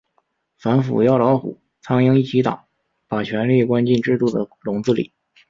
反腐要老虎、苍蝇一起打，把权力关进制度的笼子里。